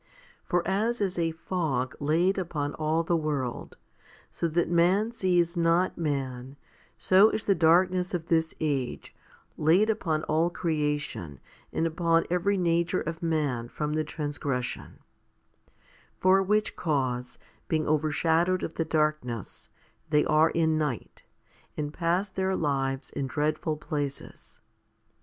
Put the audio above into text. For as is a fog laid upon all the world, so that man sees not man, so is the darkness of this age, laid upon all creation and upon every nature of man from the trans gression; for which cause, being overshadowed of the darkness, they are in night, and pass their lives in dreadful places.